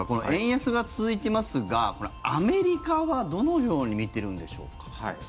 円安が続いていますがアメリカはどのように見てるんでしょうか。